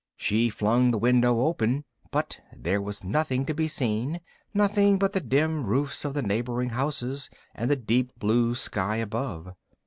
She flung the window open, but there was nothing to be seen, nothing but the dim roofs of the neighbouring houses, and the deep blue sky above.